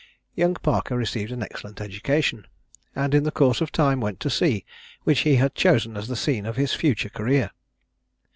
Young Parker received an excellent education, and in the course of time went to sea, which he had chosen as the scene of his future career.